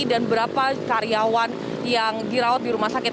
dan berapa karyawan yang dirawat di rumah sakit